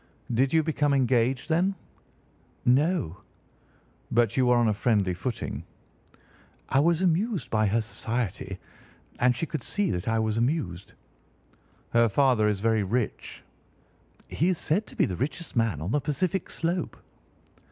"Did you become engaged then?" "No." "But you were on a friendly footing?" "I was amused by her society, and she could see that I was amused." "Her father is very rich?" "He is said to be the richest man on the Pacific slope."